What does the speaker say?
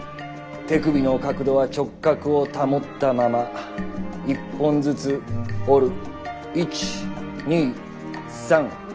手首の角度は直角を保ったまま一本ずつ折る。